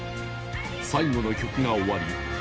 最後の曲が終わり